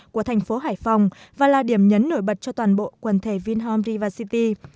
của thành phố hải phòng và là điểm nhấn nổi bật cho toàn bộ quần thể vingroup river city